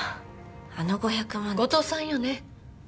あの５００万って後藤さんよね